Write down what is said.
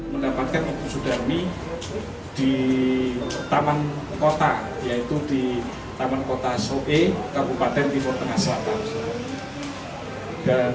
mendapatkan ibu sudami di taman kota yaitu di taman kota soe kaupaten timur tengah selatan